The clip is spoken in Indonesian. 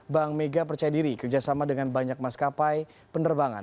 bank mega percaya diri kerjasama dengan banyak maskapai penerbangan